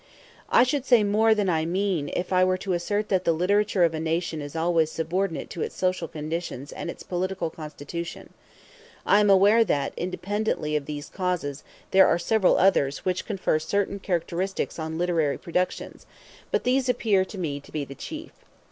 I should say more than I mean if I were to assert that the literature of a nation is always subordinate to its social condition and its political constitution. I am aware that, independently of these causes, there are several others which confer certain characteristics on literary productions; but these appear to me to be the chief.